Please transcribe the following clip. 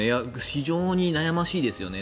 非常に悩ましいですよね。